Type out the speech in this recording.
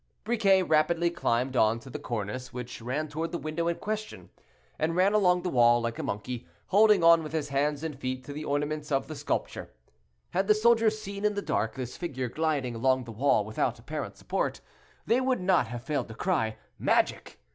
Briquet rapidly climbed on to the cornice which ran toward the window in question, and ran along the wall like a monkey, holding on with his hands and feet to the ornaments of the sculpture. Had the soldiers seen in the dark this figure gliding along the wall without apparent support, they would not have failed to cry, "Magic!"